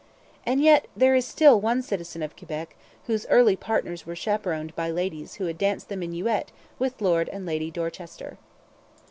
And yet there is still one citizen o Quebec whose early partners were chaperoned by ladies who had danced the minuet with Lord and Lady Dorchester.